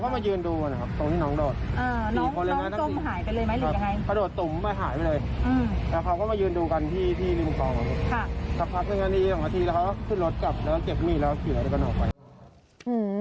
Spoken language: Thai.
พอหลังจากน้องกระโดดลงน้ำได้ยังไงต่อ